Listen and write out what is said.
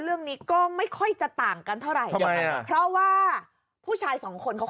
เรื่องนี้ก็ไม่ค่อยจะต่างกันเท่าไหร่